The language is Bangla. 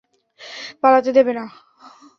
পালাতে দেবে না।